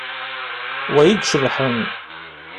Wa i icebḥen.